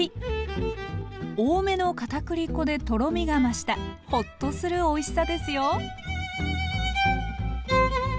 多めの片栗粉でとろみが増したホッとするおいしさですよ。